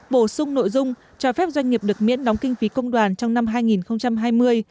bổ sung nội dung cho phép doanh nghiệp được miễn đóng kinh phí công đoàn trong năm hai nghìn hai mươi